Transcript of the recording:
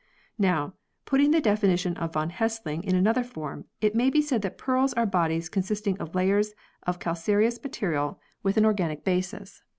Now, putting the definition of von Hessling in another form, it may be said that pearls are bodies consisting of layers of calcareous material with an v] PEARLS 55 organic basis.